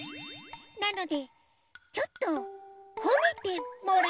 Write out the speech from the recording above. なのでちょっとほめてもらえませんか？